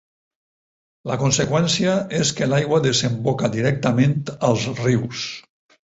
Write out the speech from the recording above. La conseqüència és que l'aigua desemboca directament als rius.